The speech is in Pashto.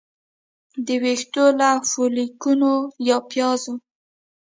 د ویښتو له فولیکونو یا پیازو